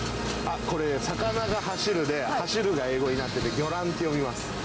これ、魚が走るで、走るが英語になっていて、ぎょらんって読みます。